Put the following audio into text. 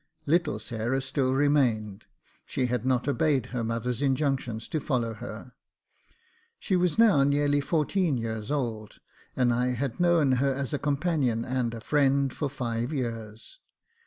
Little Sarah still remained — she had not obeyed her mother's injunctions to follow her. She was now nearly fourteen years old, and I had known her as a companion and a friend for five years.